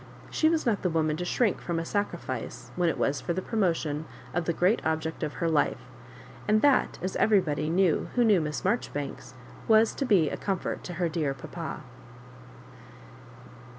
She was not the woman to shrink from a sacrifice when it was for the promotion of the great object of her life ; and that, as everybody knew who knew Miss Mar joribanks, was to be a comfort to her dear papa.